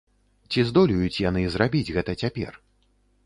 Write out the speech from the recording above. Ці здолеюць яны зрабіць гэта цяпер?